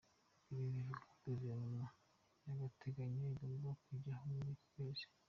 Ibi bivuze ko Guverinoma y’agateganyo igomba kujyaho muri uku kwezi.